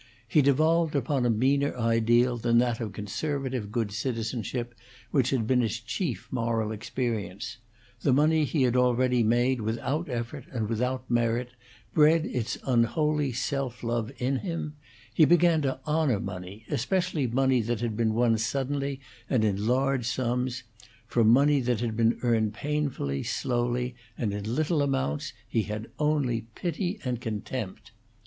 He devolved upon a meaner ideal than that of conservative good citizenship, which had been his chief moral experience: the money he had already made without effort and without merit bred its unholy self love in him; he began to honor money, especially money that had been won suddenly and in large sums; for money that had been earned painfully, slowly, and in little amounts, he had only pity and contempt.